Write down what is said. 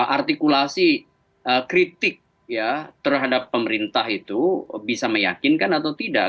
artikulasi kritik ya terhadap pemerintah itu bisa meyakinkan atau tidak